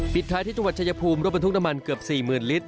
ท้ายที่จังหวัดชายภูมิรถบรรทุกน้ำมันเกือบ๔๐๐๐ลิตร